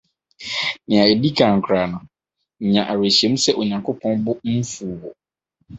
Nea edi kan koraa no, nya awerɛhyem sɛ Onyankopɔn bo mfuw wo.